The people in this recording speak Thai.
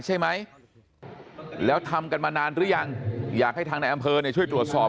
ใช่ไหมแล้วทำกันมานานหรือยังอยากให้ทางในอำเภอช่วยตรวจสอบ